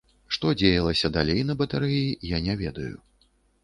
Што дзеялася далей на батарэі, я не ведаю.